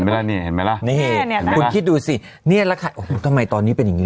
นั่นนี่เห็นไหมล่ะนี่คุณคิดดูสินี่แหละค่ะโอ้โหทำไมตอนนี้เป็นอย่างนี้